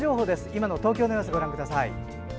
今の東京の様子、ご覧ください。